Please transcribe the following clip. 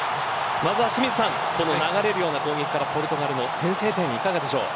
まずは清水さん、流れるような攻撃からポルトガルの先制いかがですか。